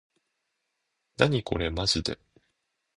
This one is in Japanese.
なにこれまじで